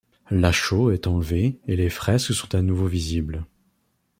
La chaux est enlevée et les fresques sont à nouveau visibles.